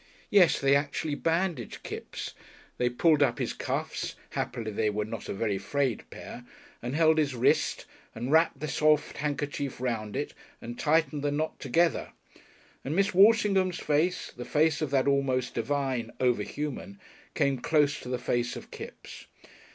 Yes, they actually bandaged Kipps. They pulled up his cuffs happily they were not a very frayed pair and held his wrist, and wrapped the soft handkerchief round it, and tightened the knot together. And Miss Walshingham's face, the face of that almost divine Over human, came close to the face of Kipps.